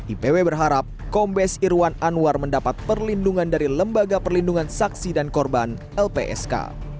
ipw berharap kombes irwan anwar mendapat perlindungan dari lembaga perlindungan saksi dan korban lpsk